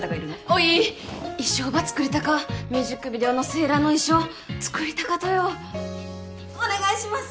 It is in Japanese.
おい衣装ば作りたかミュージックビデオのセイラの衣装作りたかとよお願いします